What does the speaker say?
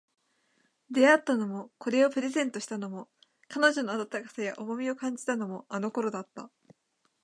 出会ったのも、これをプレゼントしたのも、彼女の温かさや重みを感じたのも、あの頃だった